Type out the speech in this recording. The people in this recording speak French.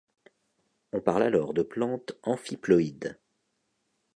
On parle alors de plantes amphiploïdes.